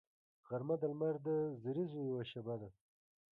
غرمه د لمر د زریزو یوه شیبه ده